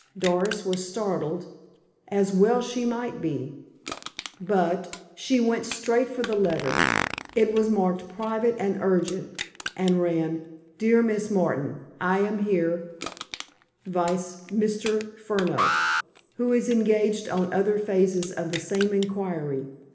Doris was startled, as well she might be. But—she went straight for the letter. It was marked: "Private and Urgent," and ran: Dear Miss Martin. I am here vice _Mr. Furneaux, who is engaged on other phases of the same inquiry.